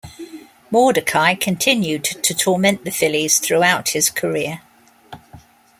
Mordecai continued to torment the Phillies throughout his career.